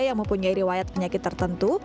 yang mempunyai riwayat penyakit tertentu